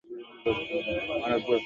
আমরা এখন কী করবো?